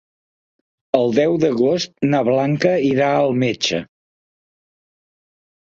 El deu d'agost na Blanca irà al metge.